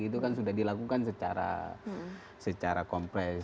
itu kan sudah dilakukan secara kompleks